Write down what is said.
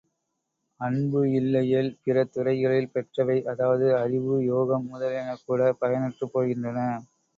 அன்பு இல்லையேல் பிறதுறைகளில் பெற்றவை அதாவது அறிவு, யோகம் முதலியன கூட பயனற்றுப் போகின்றன.